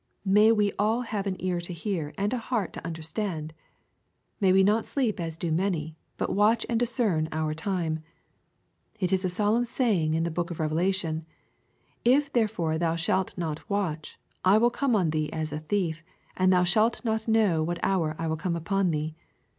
May we all have an ear to hear, and a heart to under stand ! May we not sleep as do many, but watch and discern our time I It is a solemn saying in the book of Revelation :" If therefore thou shalt not watch, I will come on thee as a thief, and thou shalt not know what hour I will come upon thee."